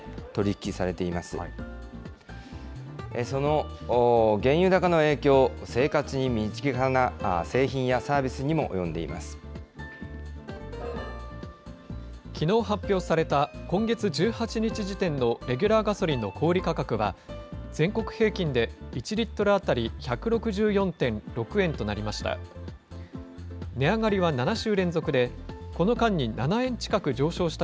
きのう発表された今月１８日時点のレギュラーガソリンの小売り価格は、全国平均で１リットル当たり１６４．６円となりました。